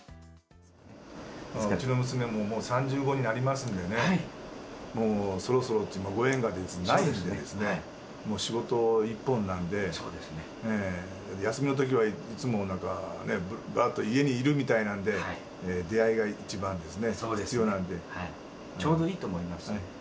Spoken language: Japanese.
うちの娘ももう３５になりますんでね、もうそろそろ、ご縁がないんですね、仕事一本なんで、休みのときはいつもなんかね、ぶらっと家にいるみたいなので、出会いが一番ちょうどいいと思いますね。